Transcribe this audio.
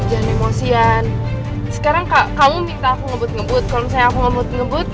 hujan emosian sekarang kamu minta aku ngebut ngebut kalau misalnya aku ngebut ngebut